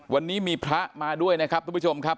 วันนี้มีพระมาด้วยนะครับทุกผู้ชมครับ